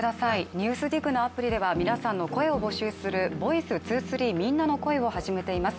「ＮＥＷＳＤＩＧ」のアプリでは皆さんの声を募集する「ｖｏｉｃｅ２３みんなの声」を始めています。